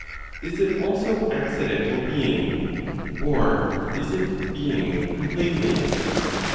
Is it also accidental "being?" Or is it being completely?